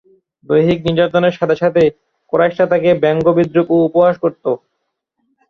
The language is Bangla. দৈহিক নির্যাতনের সাথে সাথে কুরাইশরা তাঁকে ব্যঙ্গ বিদ্রূপ ও উপহাস করতো।